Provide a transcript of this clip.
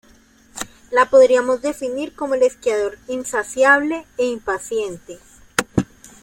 La podríamos definir como el esquiador insaciable e impaciente.